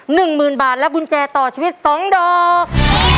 หนึ่งหมื่นบาทและกุญแจต่อชีวิตสองดอก